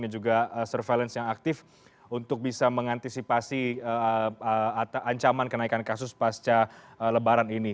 dan juga surveillance yang aktif untuk bisa mengantisipasi ancaman kenaikan kasus pasca lebaran ini